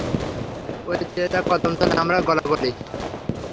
ওই চেয়ে দ্যাখ কদমতলে আমরা গলাগলি।